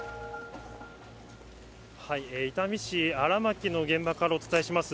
伊丹市あらまきの現場からお伝えします。